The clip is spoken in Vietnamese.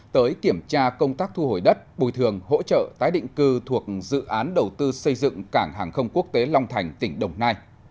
tới kiểm tra công tác thu hồi đất bùi thường hỗ trợ tái định cư thuộc dự án đầu tư xây dựng cảng hàng không quốc tế long thành tỉnh đồng nai